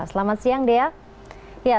selamat siang dea